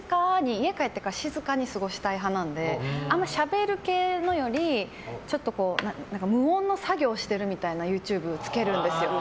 家に帰ってから静かに過ごしたい派なのであまりしゃべる系のより無音の作業しているみたいなＹｏｕＴｕｂｅをつけるんですよ。